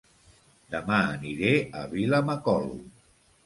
Dema aniré a Vilamacolum